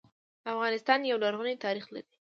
افغانستان يو لرغونی تاريخ لري